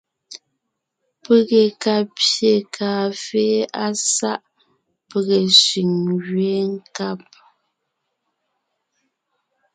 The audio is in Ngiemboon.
Pege ka pyé kàafé á sáʼ pege sẅiŋ ngẅeen nkab.